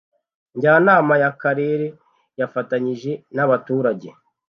Njyanama y'Akarere yafatanyije n'abaturage